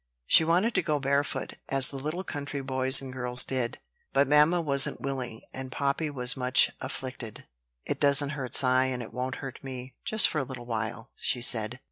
She wanted to go bare footed, as the little country boys and girls did; but mamma wasn't willing, and Poppy was much afflicted. "It doesn't hurt Cy, and it won't hurt me, just for a little while," she said.